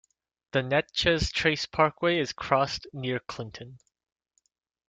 The Natchez Trace parkway is crossed near Clinton.